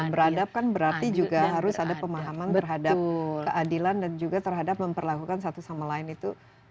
beradab kan berarti juga harus ada pemahaman terhadap keadilan dan juga terhadap memperlakukan satu sama lain itu